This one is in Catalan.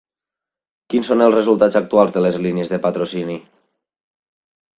Quins són els resultats actuals de les línies de patrocini?